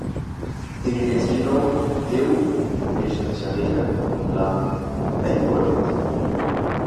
তিনি "ডেস্টিনো"তেও এর সাথেই চালিয়ে যান এবং "লাঁ ভ্যাংগুয়ার্ডিয়া"তেও।